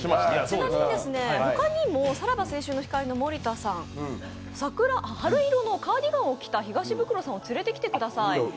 ちなみに他にもさらば青春の光の盛田さん、春色のカーディガンを着た東ブクロさんを連れてきてください。